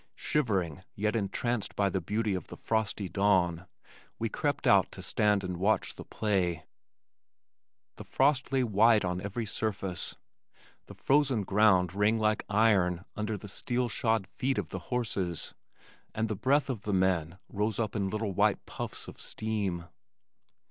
Shivering yet entranced by the beauty of the frosty dawn we crept out to stand and watch the play. The frost lay white on every surface, the frozen ground rang like iron under the steel shod feet of the horses, and the breath of the men rose up in little white puffs of steam.